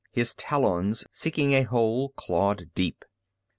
His talons, seeking a hold, clawed deep.